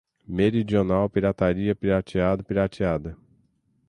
meridional, pirataria, pirateado, pirateada